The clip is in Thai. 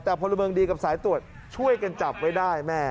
แต่พลเมืองดีกับสายตรวจช่วยกันจับไว้ได้แม่